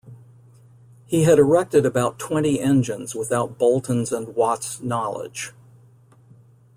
He had erected about twenty engines without Boulton's and Watts' knowledge.